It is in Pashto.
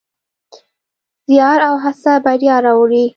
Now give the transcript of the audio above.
زیار او هڅه بریا راوړي.